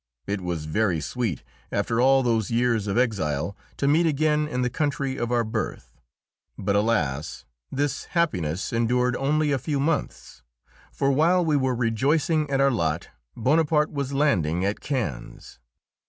It was very sweet, after all those years of exile, to meet again in the country of our birth. But, alas! This happiness endured only a few months, for, while we were rejoicing at our lot, Bonaparte was landing at Cannes.